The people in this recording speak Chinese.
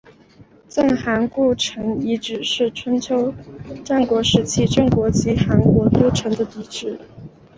郑韩故城遗址是春秋战国时期郑国及韩国都城的遗址。